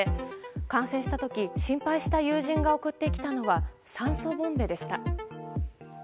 感染した時心配した友人が送ってきたのは酸素ボンベでした。